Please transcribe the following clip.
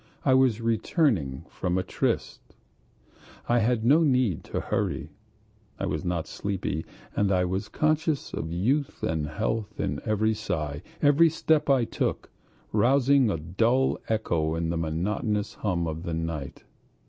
I was returning from a tryst, I had no need to hurry; I was not sleepy, and I was conscious of youth and health in every sigh, every step I took, rousing a dull echo in the monotonous hum of the night.